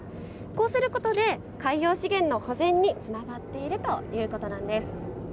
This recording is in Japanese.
こうすることで海洋資源の保全につながっているということなんです。